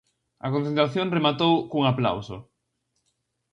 A concentración rematou cun aplauso.